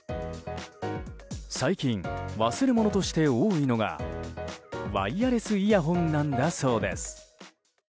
最近、忘れ物として多いのがワイヤレスイヤホンなんだそうです。